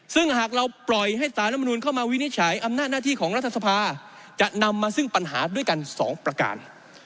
ซึ่งหากเราปล่อยให้สารรัฐมนุนเข้ามาวินิจฉัยอำนาจหน้าที่ของรัฐสภาจะนำมาซึ่งปัญหาด้วยกัน๒ประการ